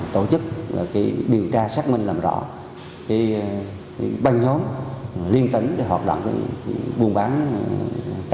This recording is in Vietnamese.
tổ chức điều tra xác minh làm rõ băng nhóm liên tấn để hoạt động buôn bán tàn trị